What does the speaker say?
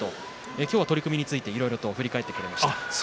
今日は取組について、いろいろと振り返ってくれました。